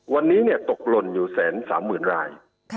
วันนี้ตกหล่นอยู่๑๓๐๐๐ราย